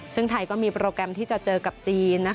ซึ่งไทยก็มีโปรแกรมที่จะเจอกับจีน